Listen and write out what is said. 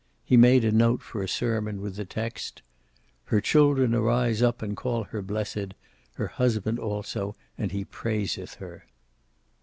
He made a note for a sermon, with the text: "Her children arise up, and call her blessed; her husband also, and he praiseth her."